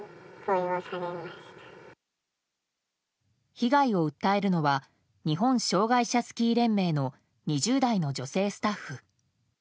被害を訴えるのは日本障害者スキー連盟の２０代の女性スタッフ。